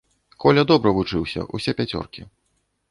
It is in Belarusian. Коля добра вучыўся, усе пяцёркі.